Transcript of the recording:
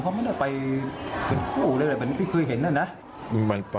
เขาไม่ได้ไปเป็นคู่อะไรแบบนี้พี่เคยเห็นแล้วนะ